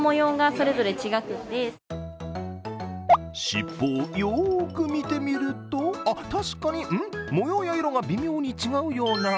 尻尾をよく見てみるとあっ、確かに模様や色が微妙に違うような。